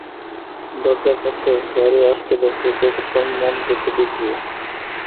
দরজায় কাছে গাড়ি আসতে দেখলেই কুকুরটার মন যেত বিগড়িয়ে।